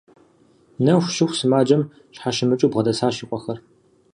Нэху щыху сымаджэм щхьэщымыкӀыу бгъэдэсащ и къуэхэр.